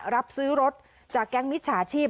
รับซื้อรถจากแก๊งมิจฉาชีพ